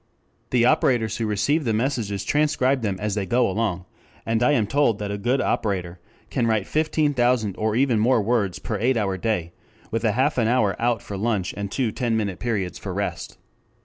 The operators who receive the messages transcribe them as they go along, and I am told that a good operator can write fifteen thousand or even more words per eight hour day, with a half an hour out for lunch and two ten minute periods for rest.